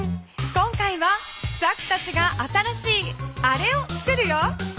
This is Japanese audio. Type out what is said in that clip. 今回はザックたちが新しいあれをつくるよ。